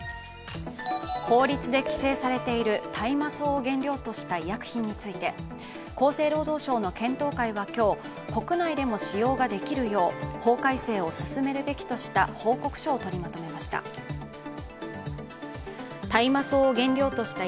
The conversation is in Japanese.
法律で規制されている大麻草を原料とした医薬品について厚生労働省の検討会は今日、国内でも使用ができるよう法改正を進めるべきとした報告書をとりまとめました。